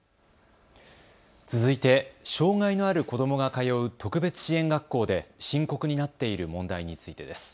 続いて、障害のある子どもが通う特別支援学校で深刻になっている問題についてです。